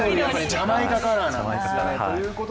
ジャマイカカラーなんですよね。